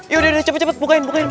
yaudah udah cepet cepet bukain bukain